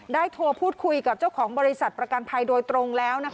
โทรพูดคุยกับเจ้าของบริษัทประกันภัยโดยตรงแล้ว